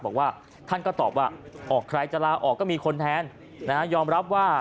บอกว่าท่านก็ตอบว่าออกใครจะลาออกก็มีคนแทนยอมรับว่า